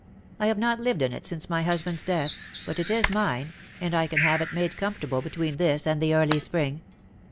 I have not lived in it since my husband^s death — but it is mine, and I can have it made comfortable between this and the early spring.